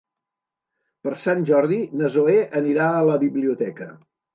Per Sant Jordi na Zoè anirà a la biblioteca.